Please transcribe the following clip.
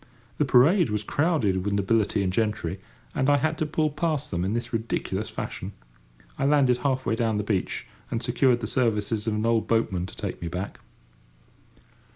The parade was crowded with nobility and gentry, and I had to pull past them in this ridiculous fashion. I landed half way down the beach, and secured the services of an old boatman to take me back.